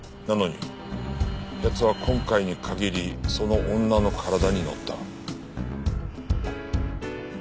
なのに奴は今回に限りその女の体に乗った。